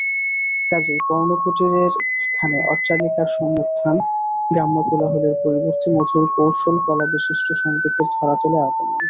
কাজেই পর্ণকুটীরের স্থানে অট্টালিকার সমুত্থান, গ্রাম্যকোলাহলের পরিবর্তে মধুর কৌশলকলাবিশিষ্ট সঙ্গীতের ধরাতলে আগমন।